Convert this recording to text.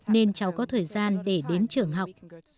nên cháu có thời gian để đến trường học